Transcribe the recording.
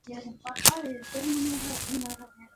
No hubo descendencia en este segundo matrimonio.